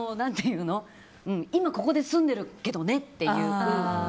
今ここで済んでるけどねって。